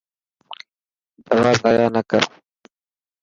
دوا زايا نا ڪر.